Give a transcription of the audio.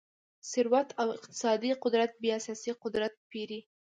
ثروت او اقتصادي قدرت بیا سیاسي قدرت پېري.